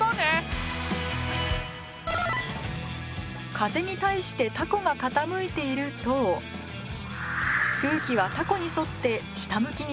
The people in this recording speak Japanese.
風に対してたこが傾いていると空気はたこに沿って下向きに流れます。